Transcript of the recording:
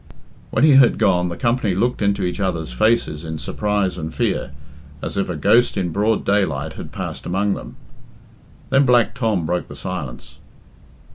When he had gone the company looked into each other's faces in surprise and fear, as if a ghost in broad daylight had passed among them. Then Black Tom broke the silence.